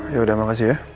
yaudah makasih ya